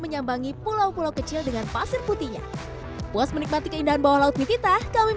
menyambangi pulau pulau kecil dengan pasir putihnya puas menikmati keindahan bawah laut nitita kami